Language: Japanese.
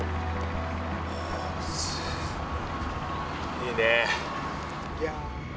いいね。